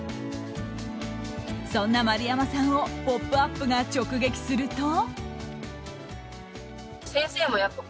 そんな丸山さんを「ポップＵＰ！」が直撃すると。